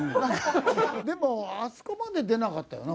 でもあそこまで出なかったよな？